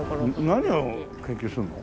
何を研究するの？